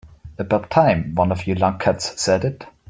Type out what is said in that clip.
About time one of you lunkheads said it.